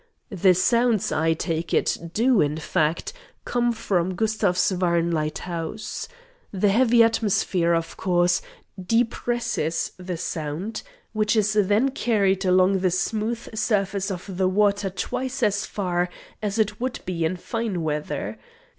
The sounds, I take it, do, in fact, come from Gustavsvarn lighthouse. The heavy atmosphere, of course, depresses the sound, which is then carried along the smooth surface of the water twice as far as it would be in fine weather.